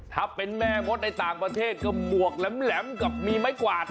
ถ้าเป็นแม่มดในต่างประเทศก็หมวกแหลมกับมีไม้กวาด